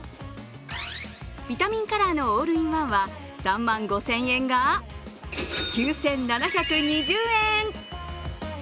ビタミンカラーのオールインワンは３万５０００円が９７２０円。